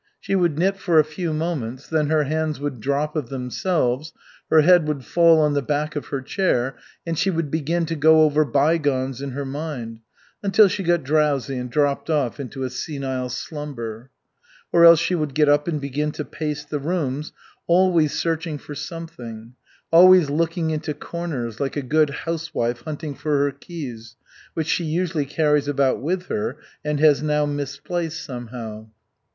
She would knit for a few moments, then her hands would drop of themselves, her head would fall on the back of her chair, and she would begin to go over bygones in her mind, until she got drowsy and dropped off into a senile slumber. Or else she would get up and begin to pace the rooms, always searching for something; always looking into corners, like a good housewife hunting for her keys, which she usually carries about with her and has now misplaced somehow.